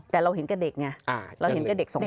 แต่เราเห็นแก่เด็กไงเราเห็นแก่เด็กสองคน